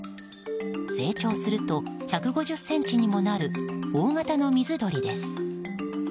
成長すると１５０ｃｍにもなる大型の水鳥です。